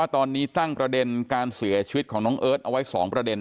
ตอนนี้ตั้งประเด็นการเสียชีวิตของน้องเอิร์ทเอาไว้๒ประเด็น